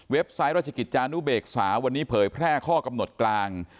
ไซต์ราชกิจจานุเบกษาวันนี้เผยแพร่ข้อกำหนดกลาง